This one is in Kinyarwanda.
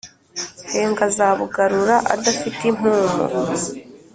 henga , azabugarura adafite impumu,